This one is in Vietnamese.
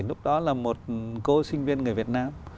lúc đó là một cô sinh viên người việt nam